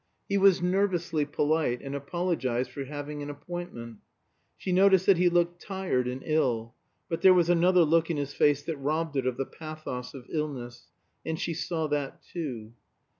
He was nervously polite, and apologized for having an appointment. She noticed that he looked tired and ill; but there was another look in his face that robbed it of the pathos of illness, and she saw that too.